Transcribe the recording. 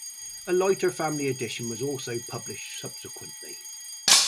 A lighter family edition was also published subsequently.